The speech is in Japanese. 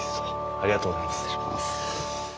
ありがとうございます。